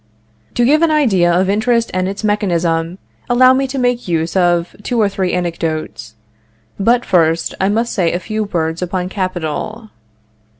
To give an idea of interest and its mechanism, allow me to make use of two or three anecdotes. But, first, I must say a few words upon capital.